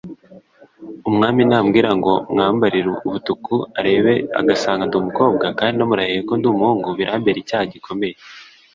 Umwami nambwira ngo mwambarire ubutuku arebe agasanga ndi umukobwa, kandi namurahiye ko ndi umuhungu, birambera icyaha gikomeye.